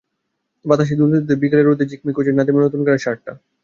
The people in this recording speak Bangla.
বাতাসে দুলতে দুলতে বিকেলের রোদে ঝিকমিক করছে নাদিমের নতুন কেনা শার্টটা।